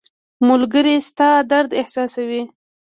• ملګری د تا درد احساسوي.